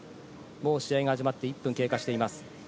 もう試合が始まって１分が経過しています。